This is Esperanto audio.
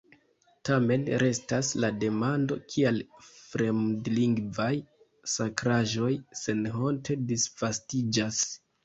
Tamen restas la demando, kial fremdlingvaj sakraĵoj senhonte disvastiĝas.